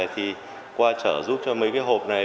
thì qua trở giúp cho mấy cái hộp này